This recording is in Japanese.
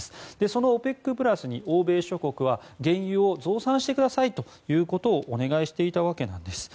そのＯＰＥＣプラスに欧米諸国は原油を増産してくださいということをお願いしていたわけなんです。